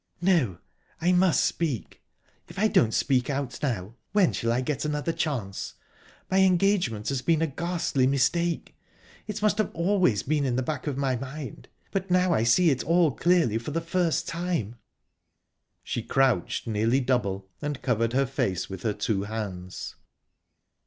"No, I must speak. If I don't speak out now, when shall I get another chance?...My engagement has been a ghastly mistake...It must have always been in the back of my mind, but now I see it all clearly for the first time..." She crouched nearly double, and covered her face with her two hands.